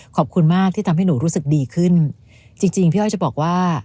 ขอบคุณมากที่ทำให้หนูรู้สึกดีขึ้นจริงจริงพี่อ้อยจะบอกว่า